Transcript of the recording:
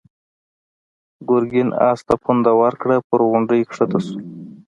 ګرګين آس ته پونده ورکړه، پر غونډۍ کښته شو.